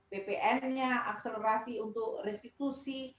bpn nya akselerasi untuk restitusi